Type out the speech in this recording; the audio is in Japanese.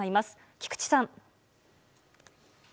菊地さん。